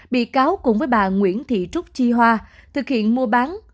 bị cáo cùng với bà nguyễn thị trúc chi hoa thực hiện mua bán